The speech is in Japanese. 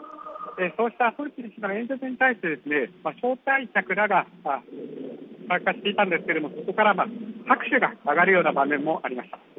そうしたプーチン氏の演説に対して招待客らが参加していたんですけれども、そこから拍手が上がるような場面もありました。